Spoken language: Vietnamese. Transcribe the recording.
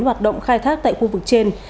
hoạt động khai thác tại khu vực trên